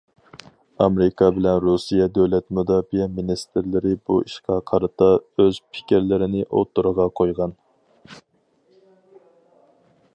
ئامېرىكا بىلەن رۇسىيە دۆلەت مۇداپىئە مىنىستىرلىرى بۇ ئىشقا قارىتا ئۆز پىكىرلىرىنى ئوتتۇرىغا قويغان.